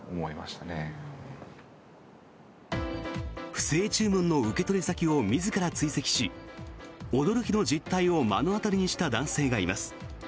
不正注文の受取先を自ら追跡し驚きの実態を目の当たりにした男性がいます。